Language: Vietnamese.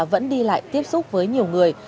vẫn đi lại tiếp xúc với nhiều người